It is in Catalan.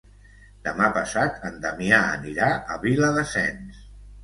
Demà passat en Damià anirà a Viladasens.